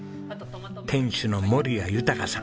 店主の守屋豊さん。